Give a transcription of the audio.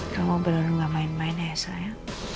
kamu bener bener main main ya elsa ya